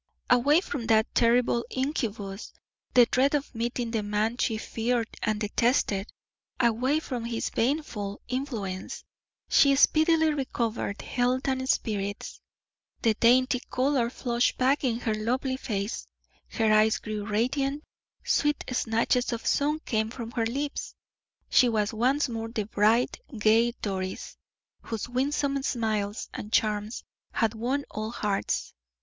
Away from that terrible incubus, the dread of meeting the man she feared and detested; away from his baneful influence, she speedily recovered health and spirits; the dainty color flushed back in her lovely face, her eyes grew radiant, sweet snatches of song came from her lips; she was once more the bright, gay Doris, whose winsome smiles and charms had won all hearts.